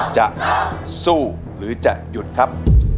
จะสู้หรือจะหยุดครับ